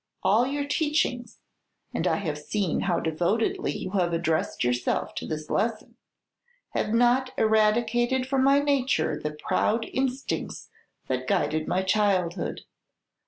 All your teachings and I have seen how devotedly you have addressed yourself to this lesson have not eradicated from my nature the proud instincts that guided my childhood.